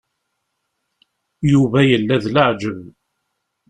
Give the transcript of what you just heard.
Yuba yella d leɛǧeb.